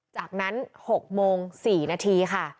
จากนั้น๖โมง๔นาทีค่ะ